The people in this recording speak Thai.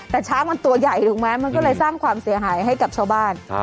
แต่ช้างมันตัวใหญ่ถูกไหมมันก็เลยสร้างความเสียหายให้กับชาวบ้าน